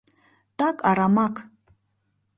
Так арамак...